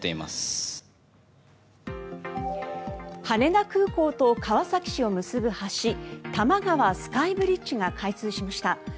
羽田空港と川崎市を結ぶ橋多摩川スカイブリッジが開通しました。